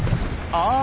あ！